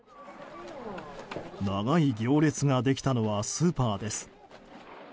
長い行列ができたのはスーパーです。